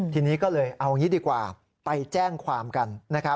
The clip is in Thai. ทีนี้ก็เลยเอางี้ดีกว่าไปแจ้งความกัน